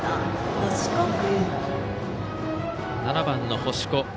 ７番の星子。